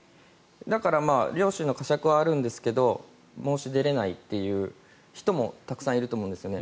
だから良心のかしゃくはあるんですけど申し出れないという人もたくさんいると思うんですよね。